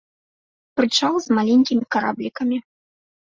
Прычал з маленькімі караблікамі.